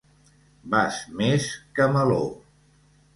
Vas més que Meló.